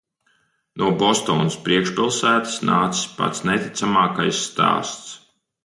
No Bostonas priekšpilsētas nācis pats neticamākais stāsts.